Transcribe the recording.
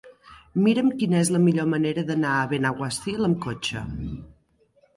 Mira'm quina és la millor manera d'anar a Benaguasil amb cotxe.